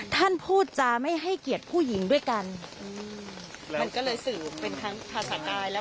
ท่านพูดจาไม่ให้เกียรติผู้หญิงด้วยกันมันก็เลยสื่อเป็นทั้งภาษากายแล้ว